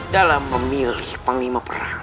dalam memilih panglima perang